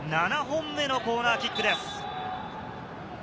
７本目のコーナーキックです。